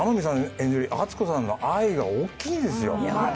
演じる篤子さんの愛が大きいですよ。